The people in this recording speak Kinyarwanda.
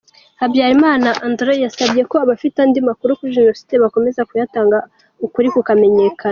Habyarimana Andrew yasabye ko abafite andi makuru kuri Jenocide bakomeza kuyatanga ukuri kukamenyekana.